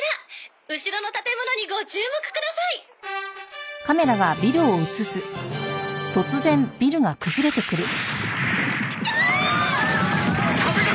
後ろの建物にご注目ください！キャーッ！